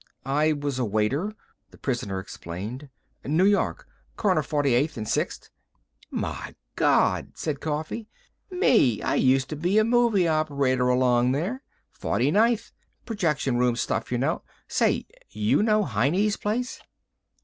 "I was a waiter," the prisoner explained. "New York. Corner Forty eighth and Sixth." "My Gawd!" said Coffee. "Me, I used to be a movie operator along there. Forty ninth. Projection room stuff, you know. Say, you know Heine's place?"